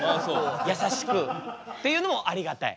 優しくっていうのもありがたい。